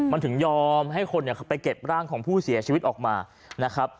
มันถึงยอมให้คนไปเก็บร่างของผู้เสียชีวิตออกมานะครับ